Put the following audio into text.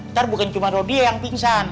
ntar bukan cuma rodia yang pingsan